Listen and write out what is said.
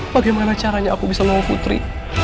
bagaimana caranya aku bisa ngomong putri